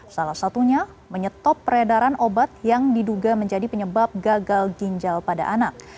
salah satunya menyetop peredaran obat yang diduga menjadi penyebab gagal ginjal pada anak